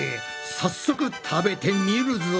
早速食べてみるぞ。